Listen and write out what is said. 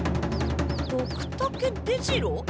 ドクタケ出城？